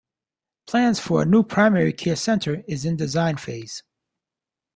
Plans for a new primary care centre is in design phase.